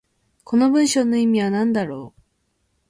この文章の意味は何だろう。